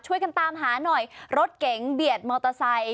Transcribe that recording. ช่วยกันตามหาหน่อยรถเก๋งเบียดมอเตอร์ไซค์